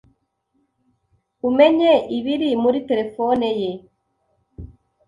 umenye ibiri muri terefone ye,